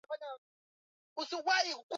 Mto ni mwendo asilia wa maji